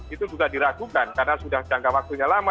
itu juga diragukan karena sudah jangka waktunya lama